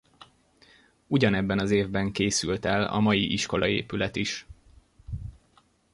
Ugyanebben az évben készült el a mai iskolaépület is.